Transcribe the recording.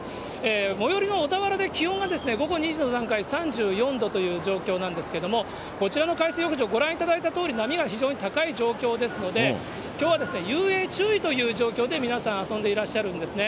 最寄りの小田原で気温が午後２時の段階、３４度という状況なんですけれども、こちらの海水浴場、ご覧いただいたとおり、波が非常に高い状況ですので、きょうは遊泳注意という状況で皆さん、遊んでいらっしゃるんですね。